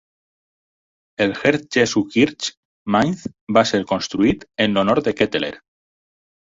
El Herz-Jesu-Kirche, Mainz va ser construït en l'honor de Ketteler.